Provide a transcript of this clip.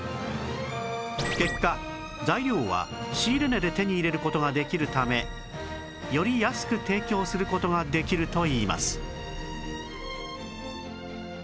結果材料は仕入れ値で手に入れる事ができるためより安く提供する事ができるといいます